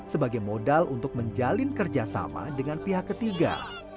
sebagai modal untuk menjalin kerjasama dengan pihak ketiga